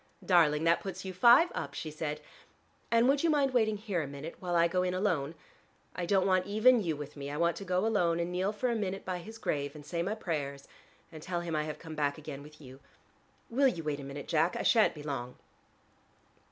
"Darling, that puts you five up," she said, "and would you mind waiting here a minute, while I go in alone? I don't want even you with me: I want to go alone and kneel for a minute by his grave, and say my prayers, and tell him I have come back again with you. Will you wait for a minute, Jack? I shan't be long."